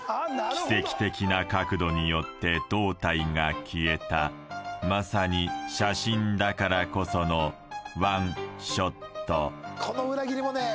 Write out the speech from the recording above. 奇跡的な角度によって胴体が消えたまさに写真だからこそのワンショットそうですね